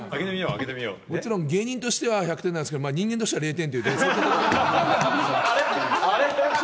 芸人としては１００点なんですけれど、人間としては０点。